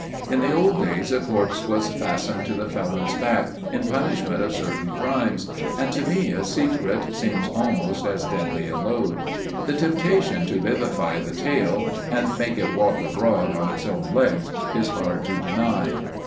In the old days a corpse was fastened to the felon's back in punishment of certain crimes, and to me a secret seems almost as deadly a load. The temptation to vivify the tale and make it walk abroad on its own legs is hard to deny.